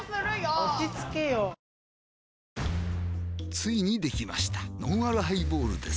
ついにできましたのんあるハイボールです